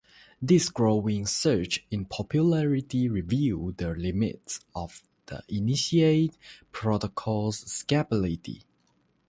This growing surge in popularity revealed the limits of the initial protocol's scalability.